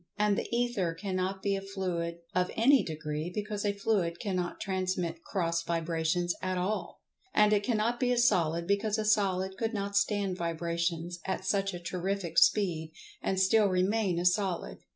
And the Ether cannot be a fluid of any degree, because a fluid cannot transmit cross vibrations at all. And it cannot be a Solid, because a Solid could not stand vibrations at such a terrific speed, and still remain a Solid.